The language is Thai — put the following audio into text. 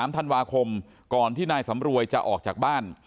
๓ธันวาคมก่อนที่นายสำรวยจะออกจากบ้าน